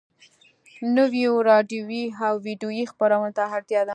نويو راډيويي او ويډيويي خپرونو ته اړتيا ده.